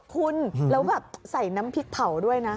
คุณแล้วแบบใส่น้ำพริกเผาด้วยนะ